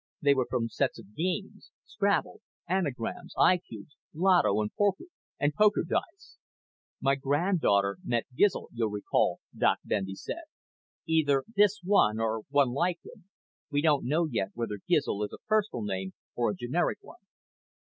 They were from sets of games Scrabble, Anagrams, I Qubes, Lotto and poker dice. "My granddaughter met Gizl, you'll recall," Doc Bendy said. "Either this one or one like him. We don't know yet whether Gizl is a personal name or a generic one."